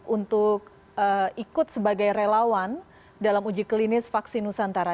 untuk ikut sebagai relawan dalam uji klinis vaksin nusantara